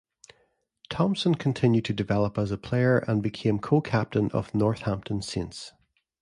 Thompson continued to develop as a player and became co-captain of Northampton Saints.